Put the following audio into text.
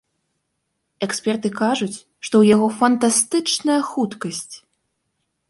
Эксперты кажуць, што ў яго фантастычная хуткасць.